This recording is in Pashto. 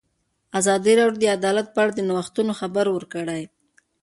ازادي راډیو د عدالت په اړه د نوښتونو خبر ورکړی.